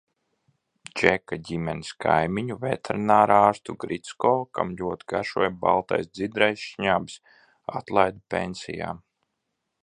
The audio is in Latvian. Džeka ģimenes kaimiņu, veterinārstu Gricko, kam ļoti garšoja Baltais dzidrais šnabis, atlaida pensijā.